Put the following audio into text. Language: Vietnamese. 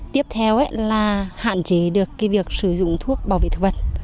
tiếp theo là hạn chế được việc sử dụng thuốc bảo vệ thực vật